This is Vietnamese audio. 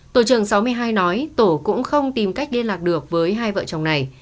tổ trường sáu mươi hai nói tổ cũng không tìm cách liên lạc được với hai vợ chồng này